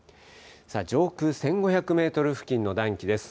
上空１５００メートル付近の暖気です。